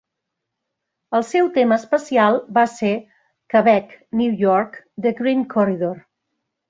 El seu tema especial va ser: "Quebec-New York: The Green Corridor".